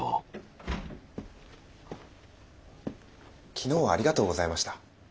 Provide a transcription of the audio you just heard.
昨日はありがとうございました。